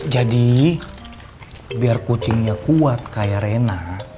jadi biar kucingnya kuat kayak reina